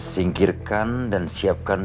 singkirkan dan siapkan